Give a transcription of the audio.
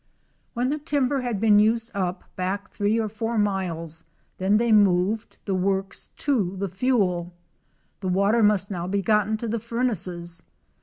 When the timber had been used up back three or four miles, then they moved the works to the fuel. The water must now be gotten to the furnaces.